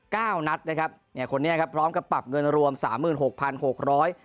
นัดนะครับเนี่ยคนนี้ครับพร้อมกับปรับเงินรวมสามหมื่นหกพันหกร้อย